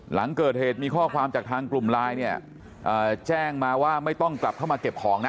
หลังเกิดเหตุมีข้อความจากทางกลุ่มไลน์เนี่ยแจ้งมาว่าไม่ต้องกลับเข้ามาเก็บของนะ